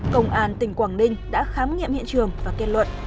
công an tỉnh quảng ninh đã khám nghiệm hiện trường và kết luận